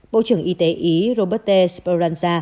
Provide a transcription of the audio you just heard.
bộ trưởng y tế ý robert sperling